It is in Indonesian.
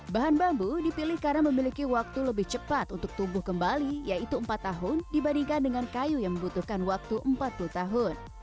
bahan bambu dipilih karena memiliki waktu lebih cepat untuk tumbuh kembali yaitu empat tahun dibandingkan dengan kayu yang membutuhkan waktu empat puluh tahun